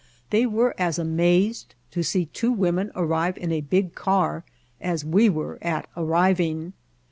They were as amazed to see two women arrive in a big car as we were at arriving.